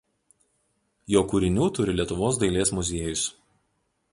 Jo kūrinių turi Lietuvos dailės muziejus.